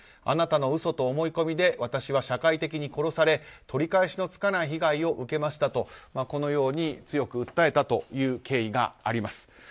あなたの嘘と思い込みで私は社会的に殺され取り返しのつかない被害を受けましたと強く訴えたという経緯があります。